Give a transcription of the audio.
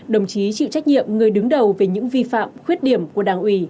đồng chí chịu trách nhiệm người đứng đầu về những vi phạm khuyết điểm của đảng ủy